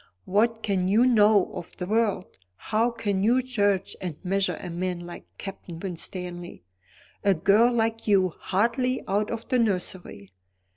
What can you know of the world? How can you judge and measure a man like Captain Winstanley? A girl like you, hardly out of the nursery!